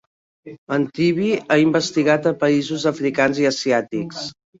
En Tibi ha investigat a països africans i asiàtics.